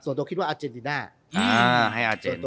ส่วนตัวคิดว่าอาเจนดิน่า